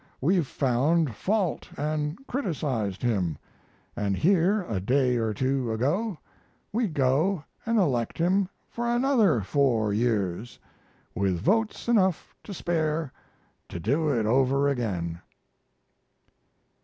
We've found fault and criticized him, and here a day or two ago we go and elect him for another four years, with votes enough to spare to do it over again.